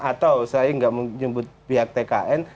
atau saya tidak menjemput pihak tkn